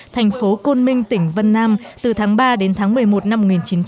thành phố côn minh tỉnh vân nam từ tháng ba đến tháng một mươi một năm một nghìn chín trăm bảy mươi